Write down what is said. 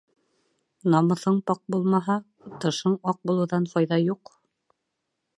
Намыҫың пак булмаһа, тышың аҡ булыуҙан файҙа юҡ.